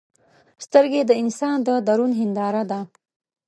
سترګې د انسان د درون هنداره ده